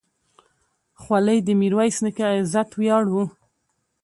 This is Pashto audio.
خولۍ د میرویس نیکه عزت ویاړ و.